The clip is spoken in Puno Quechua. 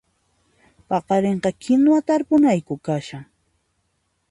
Paqarinqa kinuwa tarpunayku kashan